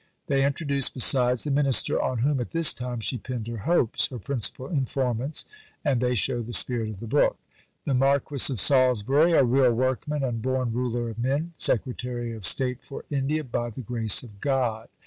They introduce, besides the Minister on whom at this time she pinned her hopes, her principal informants, and they show the spirit of the book: THE MARQUIS OF SALISBURY: A real workman and born ruler of men. Secretary of State for India by the grace of God.